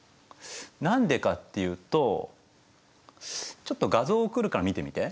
何でかっていうとちょっと画像送るから見てみて。